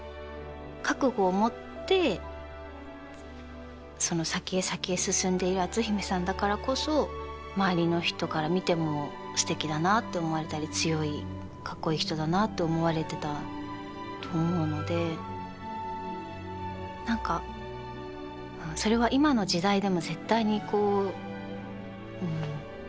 覚悟を持ってその先へ先へ進んでいる篤姫さんだからこそ周りの人から見てもすてきだなって思われたり強い格好いい人だなって思われてたと思うので何かそれは今の時代でも絶対にこううん。